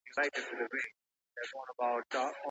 سفیران به په ټولنه کي عدالت تامین کړي.